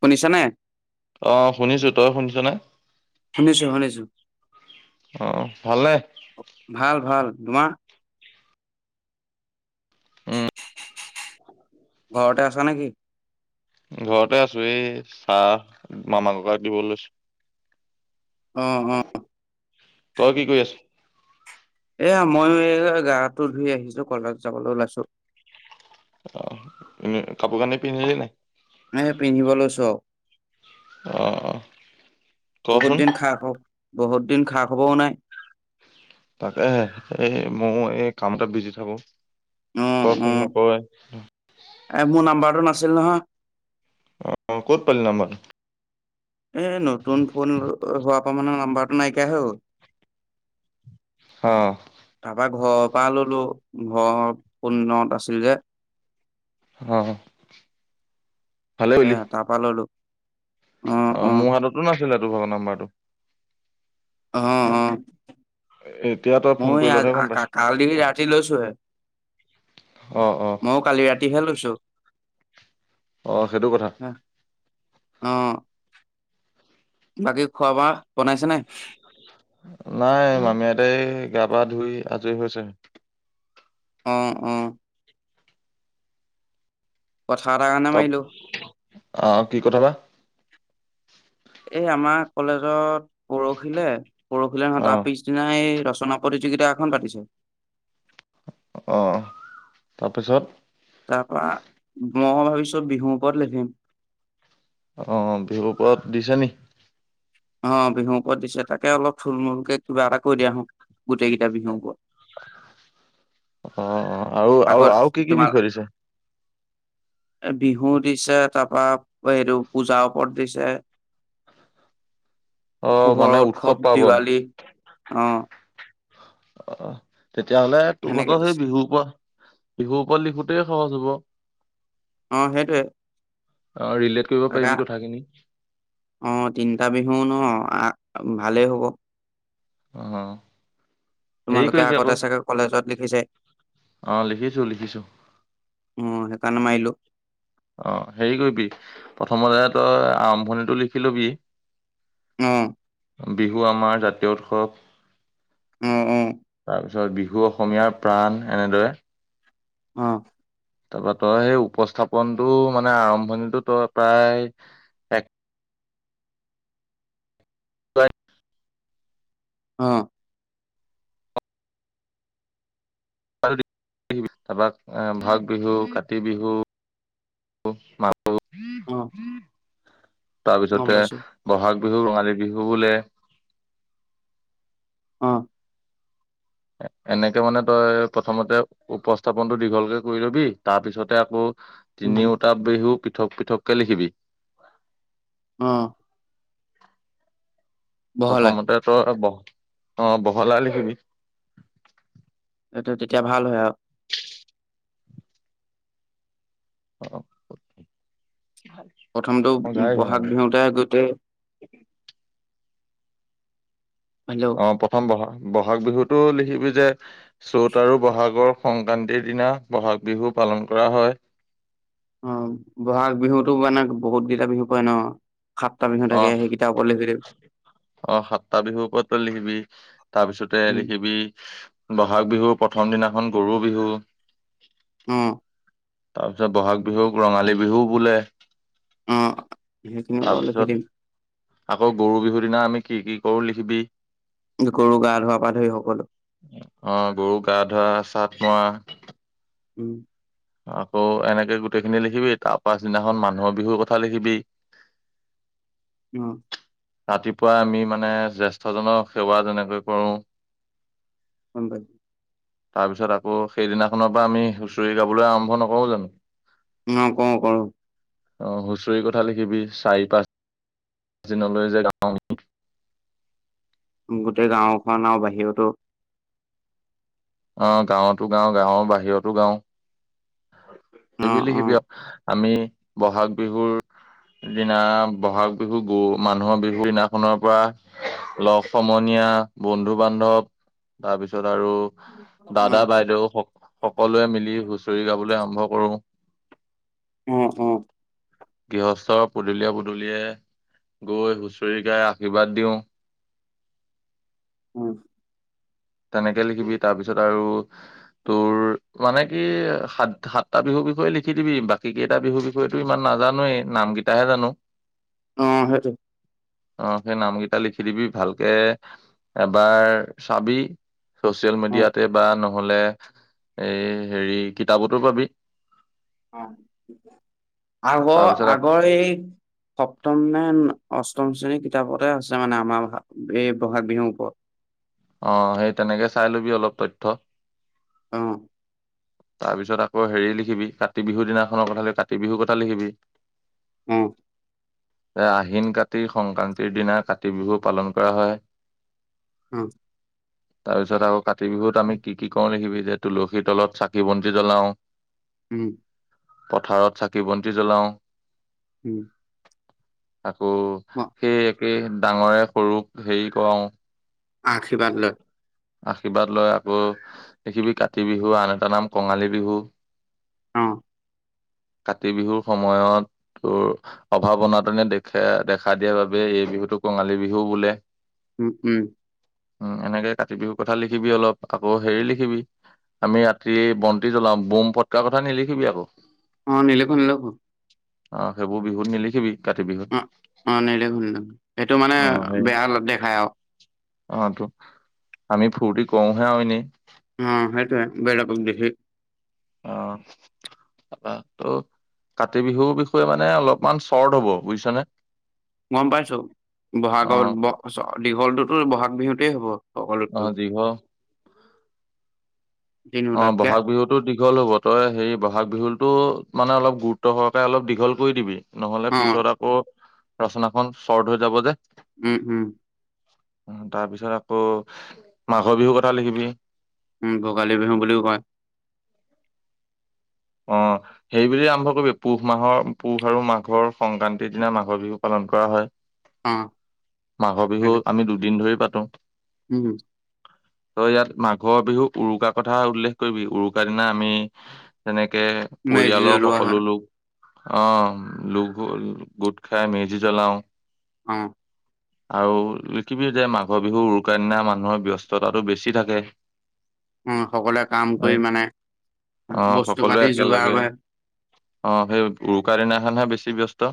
শুনিছানে? অ শুনিছো তই শুনিছ জাই [inaudible] শুনিছো শুনিছো আহ ভালনে ভাল ভাল তোমাৰ উম ঘৰতে আছা নেকি? ঘৰতে আছো এই চাহ মামা ককাক দিব লৈছো অ অ তই কি কৰি আছ এয়া ময়ো এই গাটো ধুই আহিছো কলেজ যাবলৈ ওলাইছো অ এনে কাপোৰ কানি পিন্ধিলে নাই এ পিন্ধিবলৈ চ অ অ বহুত কচোন দিন খা হওক বহুত দিন খা খবৰো নাই। তাকে, এই মই এই কামতে বিজি থাকো। তই ফোন নকৰই উম-উম। মোৰ নাম্বাৰ আছিল নহয়? অঁ-অঁ ক'ত পালি নামবোৰ? এ নতুন ফোন হোৱা মমানৰ নাম্বাৰটো নাইকিয়া হে গল। আহ তাৰপা ঘৰৰ পৰা ললো, ঘৰৰ ফানত আছিল যে। অহ সে তাৰাপা ললো। অ, মোৰ হাততো নাছিল। নাছিলে তোৰ ভগ নাম্বাৰটো। অ-অ। এতিয়া তই ফোন মই কৰিলতহে গম আ পাইছো কালি ৰাতি লৈছোঁহে। অ অ ময়ো কালি ৰাতিহে লৈছো। আহ সেইটো কথা। অঁ। বাকী খোৱা বোৱা, বনাইছেনেে? নাই মামী হতে, গা পা ধুই আজৰি হৈছে। অ-অ। কথাৰ এটাৰ কাৰণে তাত মাৰিলো আহ কি কথা বাা? এই আমাৰ কলেজত পৰহিলে পৰহিলে নহয় অ তাৰ পিছদিনা এই ৰচনা প্ৰতিযোগিতা এখন পাতিছে। অহ তাৰপিছত? তাৰপা মই ভাবিছো বিহুৰ ওপৰত লিভিম, আহ বিহুৰ পৰত দিছ নি? অ, বিহুৰ ওপৰত দিছে তাকে অলপ থুল মূলকে কিবা এটা কৰি দিয়া আহো গোটেই কেইটা বিহুৰ ওপৰত। অ-অ। অঁ আগত আৰু-আৰু কি-কি তোমাৰ বিশই দিছে? বিহু দিছে তাৰপা এইটো পূজাৰ ওপৰত দিছে। অ', মানে পোহৰৰ উৎসৱ পাৰ্বন দিৱালী, অহ। অঁ। তেতিয়াহ'লে তো সেনেকে ভাগৰ দিছে সেই বিহুৰ পৰা, বিহুৰ ওপৰত লিখোতেই যুৱ। [unintelligible] অ, সেইটোৱে। ৰিলেট কৰিব তাকে, পাৰিবি কথাখিনি অ তিনিটা বিহু ন আ। ভালেই হ'ব। আহ। তোমালোকে আগতে চাগে কলেজত লিখিছে অ', লিখিছো লিখিছো উ। সেই কাৰণে মাৰিলোঁ। অ, হেৰি কৰিবি প্ৰথমতে তই আৰম্ভণিটো লিখি লবি। অঁ। বিহু আমাৰ জাতীয় উৎসৱ। অ অ। তাৰ বিহু অসমীয়াৰ প্ৰাণ এনেদৰে। অঁ। তাৰপৰা তই সেই উপস্থাপনটো, মানে আৰম্ভণিটো, তই প্ৰায়, এক [unintelligible] অ'! [unintelligible] তাৰ পৰা বহাগ বিহু, কাতি বিহু, মা হু অ', গম তাৰপিছতে পাইছো ব'হাগ বিহু, ৰঙালী বিহু বোলে। অ'! এনেকে মানে, তই, প্ৰথমতে উপস্থাপনতটো দীঘলকে কৰি লবি। ‌ তাৰপিছতে আকৌ উম, তিনিওটা বিহু পৃথক, পৃথক কে লিখিবি। অ'! বহলাই প্ৰথমতে তই বহ অ' বহলাই লিখিবি। সেইটো তেতিয়া, ভাল হয় আৰু। অ'! প্ৰথমটো গাই হোৱা নাই বহাগ বিহুতেই আগতে হেল্ল' অ' প্ৰথম ব'হাগ ব'হাগ বিহুতো লিখিবি যে, চ'ত আৰু ব'হাগৰ সংক্ৰান্তিৰ দিনা, বহাগ বিহু পালন কৰা হয়। অ' ব'হাগ বিহুতো মানে, বহুত কেইটা বিহু পাৰে ন? সাতটা বিহু থাকে অ'! সেইকেইটাৰ ওপৰত লিখি দিম অ'! সাতটা বিহুৰ ওপৰত তই লিখিবি। তাৰ পিছতে উম, লিখিবি ব'হাগ বিহু প্ৰথম দিনাখন, গৰু বিহু অ'! তাৰপিছত বহাগ বিহুক ৰঙালী বিহু বোলে। অ' সেইখিনি বাৰু তাৰপিছত লিখি দিম। আকৌ গৰু বিহুৰ দিনা, আমি কি কি কৰোঁ লিখিবি। গৰু গা ধোৱা পা ধৰি সকলো গৰু গা ধোৱা চাট অ'! উম! আকৌ এনেকে গোটেইখিনি লিখিবি, তাৰ পাছদিনাখন মানুহৰ বিহুৰ কথা লিখিবি। অ'! ৰাতিপুৱা আমি মানে, জ্যেষ্ঠজনক সেৱা যেনেকৈ কৰোঁ [inaudible] তাৰ পিছত আকৌ, সেইদিনাখনৰ পৰা আমি হুঁচৰি গাবলৈ আৰম্ভ নকৰোঁ জানোঁ? অ'! কওঁ কৰোঁ। অ'! হুঁচৰি কথা লিখিবি, চাৰি পাঁচ- দিনলৈ যে গাওঁ গোটেই গাঁওখন আৰু বাহিৰতো আহ গাঁৱতো গাও গাঁৱৰ বাহিৰতো গাও অ', সেই বু লিখিবি অ', আও- আমি বহাগ বিহুৰ দিনা বহাগ বিহু গ মানুহৰ বিহুৰ দিনাখনৰ পৰা লগ সমনীয়া বন্ধু বান্ধৱ তাৰপিছত আৰু দাদা অ', বাইদেউ স সকলোৱে মিলি হুচৰি গাবলৈ আৰম্ভ কৰো উম উম গৃহস্থ পদূলীয়া পদূলিয়ে গৈ হুঁচৰি গাই আশীৰ্বাদ দিওঁ উম তেনেকে লিখিবি তাৰপিছত আৰু তোৰ মানে কি সাত সাতটা বিহুৰ বিষয়ে লিখি দিবি বাকী কেইটা বিহুৰ বিষয়েতো ইমান নাজানোৱেই নাম কেইটাহে জানো অ সেইটো অ সেই নামকেইটা লিখি দিবি ভালকে এবাৰ চাবি চচিয়েল অ', মিডিয়াতে বা নহ'লে এই হেৰি কিতাপতো পাবি আগৰ তাৰপিছত আক- আগৰ এই সপ্তম নে অষ্টম অষ্টম শ্ৰেণীৰ কিতাপতে আছে মানে আমাৰ এই বহাগ বিহুৰ ওপৰত অ সেই তেনেকে চাই লবি অলপ তথ্য অ তাৰপিছত আকৌ হেৰি লিখিবি কাতি বিহুৰ দিনাখনৰ কথা কাতি বিহুৰ কথা লিখিবি অ এ আহ আহিন কাতি সংক্ৰান্তিৰ দিনা কাতি বিহুক পালন কৰা হয়। উম তাৰপিছত আকৌ কাতি কাতি বিহুত আম কি কি কৰো লিখিবি যে তুলসী তলত চাকি বন্তি জ্বলাও উম। পথাৰত চাকি বন্তি জ্বলাও উম আকৌ অ সেই সেয়েহে ডাঙৰে সৰুক হেৰি কৰাও আশীৰ্বাদ লয় আশীৰ্বাদ লয় আকৌ দেখিবি কাতি বিহু আন এটা নাম কঙালী বিহু অ কাতি বিহুৰ সময়ত অভাৱ অনাটনে দেখা দেখা দিয়াৰ বাবে এই বিহুটো কঙালী বিহু বোলে। উম উম। উম এনেকে কাতি বিহুৰ কথা লিখিবি অলপ আকৌ হেৰি লিখিবি আমি ৰাতি বন্তি জ্বলাওঁ বোম পটকা কথা নিলিখিবি আকৌ অ নিলখো নিলখো। অ সেইবোৰ বিহুত নিলিখিবি কাতি বিহুত অ অ নদখুন সেইটো মানে অ সেই বেয়া দেখাই আৰু অ তটো আমি ফূৰ্তি কৰোহে অ এনে অ সেইটোৱে বেলেকক দেখি। অ ত কাতি বিহুৰ বিষয়ে মানে অলপমান চৰ্ট হব বুজিছা নে গম পাইছো বহাগ দীঘলটোত বহাগ বিহুতে হ'ব অ সকলোতকৈ দি হ দিনো অ তাতকে বহাগ বিহুতো দীঘল হব তই হেৰি বহাগ বিহুতো মানে অলপ গুৰুত্ব সহকাৰে অলপ দীঘল কৰি দিবি নহ'লে অ পিছত আকৌ ৰচনাখনন চৰ্ট হৈ যাব যে উম উম তাৰ পিছত আকৌ মাঘৰ বিহুৰ কথা লিখিবি উম ভোগালী বিহু বুলিও কয় অ সেইব আৰম্ভ কৰিবি পুহ মাহৰ পুহ আৰু মাঘৰ সংক্ৰান্তিৰ দিনা মাঘৰ বিহু পালন কৰা হয় অ মাঘৰ বিহু তাকে আমি দুদিন ধৰি পাতো। তো উম তই ইয়াত মাঘৰ বিহু উৰুকাৰ কথা উল্লেখ কৰিবি উৰুকাৰ দিনা আমি। যেনে যেনেকে মেজি পৰিয়ালৰ জ্বলোৱা হয় সকলো লোক অ লঘো গোট খাই মেজি জ্বলাও অ আৰু কিবি যে মাঘৰ বিহু উৰুকাৰনা মানুহৰ ব্যস্ততাটো বেছি থাকে। উ সকলোৱে কাম হয়। কৰি মানে অ বস্তু পাতি সকলোৱে যোগাৰ একেলগে কৰে অ সেই উৰুকাৰ দিনাখন। বেছি ব্যস্ত।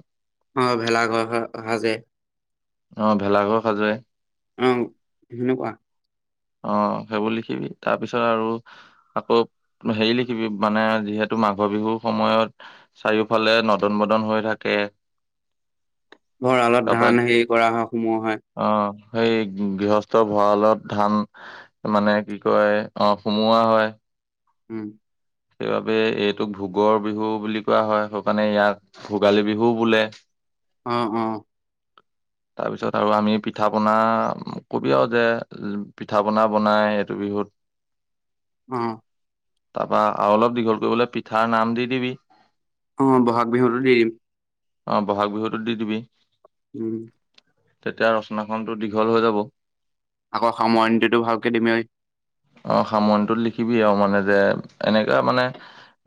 অ ভেলাঘৰ ঘৰ সাজে অহ ভেলাঘৰ সাজোৱায় অ সেনেকুৱা অ সেইবোৰ লিখিবি তাৰপিছত আৰু আকৌ হেৰি লিখিবি মানে যিহেতু মাঘৰ বিহুৰ সময়ত চাৰিওফালে নদন বদন হৈ থাকে ভঁৰালত তাৰপা ধান হেৰি কৰে কা হয় সমোৱা হয় অ সেই গৃহস্থ ভঁৰালত ধান মানে কি কয় অহ সুমোৱা হয় উম সেইবাবে এইটোক ভোগৰ বিহু বুলি কোৱা হয় সেইকাৰণে ইয়াক ভোগালী বিহুও বোলে অ অ তাৰপিছত আৰু আমি পিঠা পনা কবি আৰু যে পিঠা পনা বনাই এইটো বিহুত অ তাৰপা আৰু অলপ দীঘল কৰিবলৈ পিঠাৰ নাম দি দিবি। অ বহাগ বিহুতো দেৰিম। অ বহাগ বিহুতো দি দিবি। উম। তেতিয়া ৰচনাখনতো দীঘল হৈ যাব। আকৌ সামৰণীটোতো ভালকে দিমেই। অ সামৰণীটোত লিখিবি আৰু মানে যে এনেকে মানে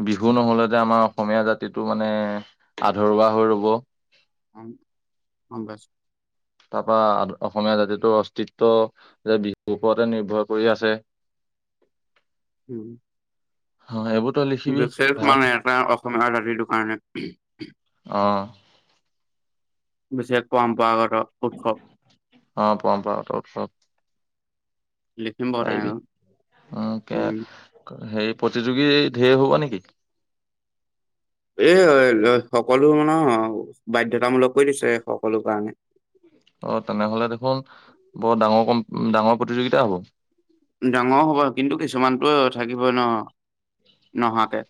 বিহু নহ'লে যে আমাৰ অসমীয়া জাতিটো মানে আধৰুৱা হৈ ৰব। অ বছ। তাৰ পৰাা অসমীয়া জাতিটোৰ অস্তিত্ব যে বিহুৰ ওপৰতে নিৰ্ভৰ কৰি আছে। উম। অ সেই বোৰত বিশেষ মানে এটা সমডাৰ [unintelligible] সটো কাৰণে আহ। বিশেষ পৰম্পৰাগত। উৎসৱ অ পৰম্পৰাগত উৎসৱ। লখিমপুৰ পৰিবি তেনেকৈ অ কে উম সেৰি প্ৰতিযোগী ধেই হব নেকি? এ সকলো মান বাধ্যাতামূলক কৰি দিছে সকলো কাৰণে। অ তেনেহলে দেখোন বৰ ডাঙৰ কম ডাঙৰ প্ৰতিযোগিতা হ'ব। ডাঙৰ হ'ব কিন্তু কিছুমানটো থাকিবই ন নহাকে।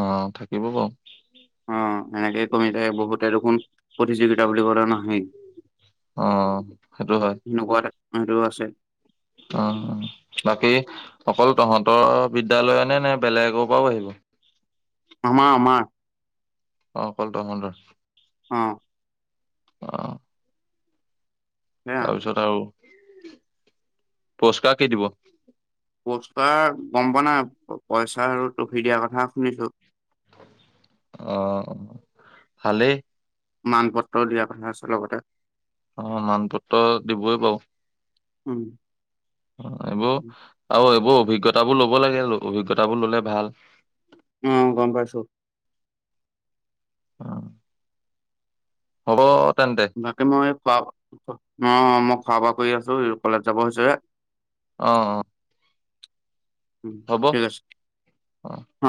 অ থাকিব বাৰু। অ এনেকেই কমি থাকে বহুতে দেখোন প্ৰতিযোগিতা বুলি কলে নাহেই। অ সেইটো হয় সেনেকুৱা এটা সেইটো আছে। অ বাকী অকল তহঁতৰ বিদ্যালয়নে নে বেলেগৰ পৰাও আহিব। অ আমাৰ আমাৰ অকল তহঁতৰ অঁ। আহঁ। সেয়া তাৰপিছত আৰু পচুকা কি দিব পচুতা গম পোৱা নাই পইচা আৰু ট্ৰফি দিয়াৰ কথা শুনিছো আহ ভালেই মান পত্ৰ দিয়াৰ কথা আছে লগতে অ মান পত্ৰ দিবই বাৰু উম। অ এইবোৰ উম। আ এইবোৰ অভিজ্ঞতাবোৰ ল'ব লাগে অভিজ্ঞতাবোৰ ল'লে ভাল অ গম পাইছো। অ [inaudible] হ'ব। তেন্তে বাকি মই। অ, মই খোৱা বোৱা কৰি আছো কলেজ যাব হৈছে। অ অ। হ'ব ঠিক আছে অ।